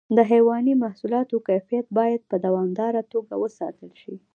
د حیواني محصولاتو کیفیت باید په دوامداره توګه وساتل شي.